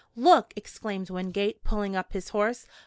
"Look!" exclaimed Wingate, pulling up his horse.